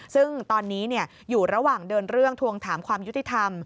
ซึ่งตอนนี้อยู่ระหว่างเดินเรื่องทวงถามความยุติธรรม